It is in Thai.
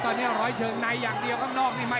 ตอนนี้ร้อยเชิงในอย่างเดียวข้างนอกนี่มา